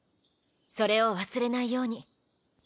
それを忘れないように。